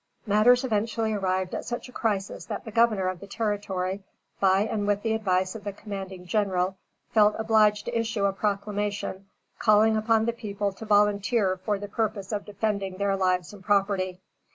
Matters eventually arrived at such a crisis that the Governor of the Territory, by and with the advice of the commanding general, felt obliged to issue a proclamation calling upon the people to volunteer for the purpose of defending their lives and property.